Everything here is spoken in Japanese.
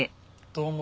どうも。